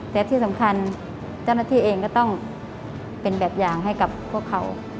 แต่ที่สำคัญเจ้าหน้าที่เองก็ต้องเป็นแบบอย่างให้กับพวกเขา